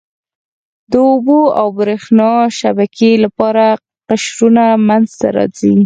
د اوبو او بریښنا شبکې لپاره قشرونه منځته راځي.